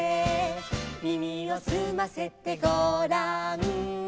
「耳をすませてごらん」